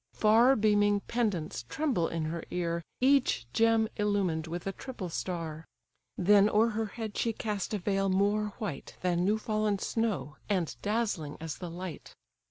Far beaming pendants tremble in her ear, Each gem illumined with a triple star. Then o'er her head she cast a veil more white Than new fallen snow, and dazzling as the light.